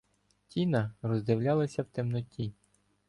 Тіна роздивлялася в темноті.